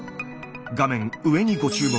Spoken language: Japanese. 画面上にご注目。